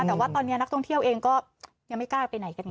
แต่ว่าตอนนี้นักท่องเที่ยวเองก็ยังไม่กล้าไปไหนกันไง